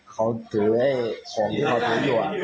เขาถือให้ผมที่เขามีบนก้วง